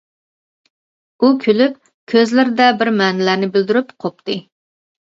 ئۇ كۈلۈپ كۆزلىرىدە بىر مەنىلەرنى بىلدۈرۈپ قوپتى.